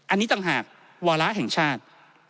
อันนี้ต่างหากวาระแห่งชาติ